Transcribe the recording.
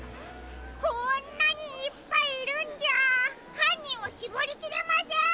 こんなにいっぱいいるんじゃはんにんをしぼりきれません！